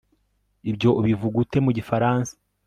ibyo ubivuga ute mu gifaransa